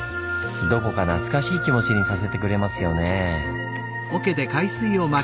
どこか懐かしい気持ちにさせてくれますよねぇ。